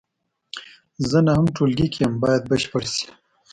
زه نهم ټولګي کې یم باید بشپړ شي.